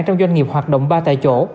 trong doanh nghiệp hoạt động ba tại chỗ